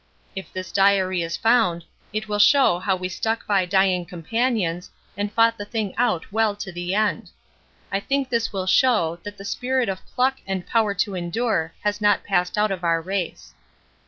If this diary is found it will show how we stuck by dying companions and fought the thing out well to the end. I think this will show that the Spirit of pluck and power to endure has not passed out of our race